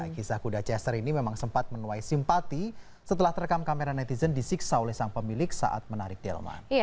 kisah kuda chester ini memang sempat menuai simpati setelah terekam kamera netizen disiksa oleh sang pemilik saat menarik delman